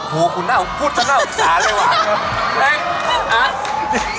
โอ้โฮคุณน่าพูดฉันน่าอุปสรรค์เลยว่ะ